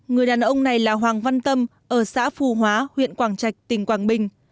người đàn ông này là hoàng văn tâm ở xã phù hóa huyện quảng trạch tỉnh quảng bình